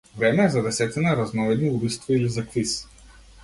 Време за десетина разновидни убиства или за квиз?